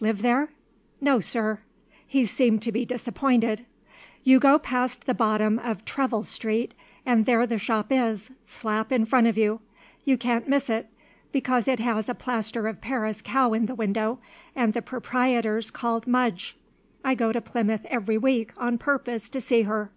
"Live there?" "No, sir." He seemed to be disappointed. "You go past the bottom of Treville Street, and there the shop is, slap in front of you. You can't miss it, because it has a plaster of Paris cow in the window, and the proprietor's called Mudge. I go to Plymouth every week on purpose to see her."